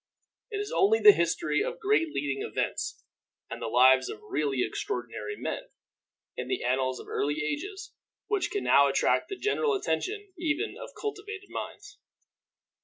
It is only the history of great leading events and the lives of really extraordinary men, in the annals of early ages, which can now attract the general attention even of cultivated minds.